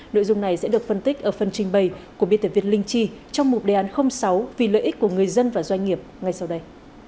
nội dung này sẽ được phân tích ở phần trình bày của biên tập việt linh chi trong mục đề án sáu vì lợi ích của người dân và doanh nghiệp ngay sau đây